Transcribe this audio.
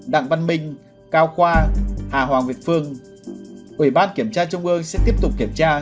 đặng văn minh cao khoa hà hoàng việt phương ủy ban kiểm tra trung ương sẽ tiếp tục kiểm tra